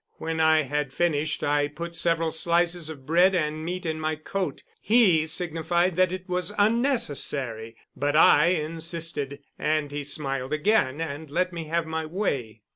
When I had finished I put several slices of bread and meat in my coat. He signified that it was unnecessary, but I insisted, and he smiled again and let me have my way.